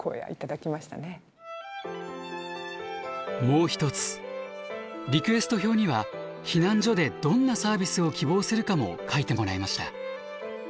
もう一つリクエスト票には避難所でどんなサービスを希望するかも書いてもらいました。